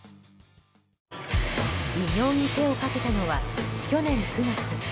偉業に手をかけたのは去年９月。